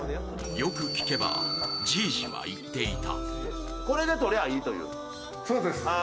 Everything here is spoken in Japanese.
よく聞けばじいじは言っていた。